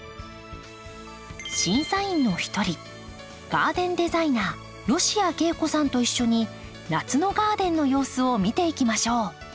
審査員の一人ガーデンデザイナー吉谷桂子さんと一緒に夏のガーデンの様子を見ていきましょう。